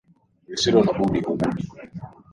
Lisilo na budi hubidi.